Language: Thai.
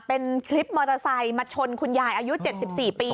เป็นคลิปมอเตอร์ไซค์มาชนคุณยายอายุ๗๔ปี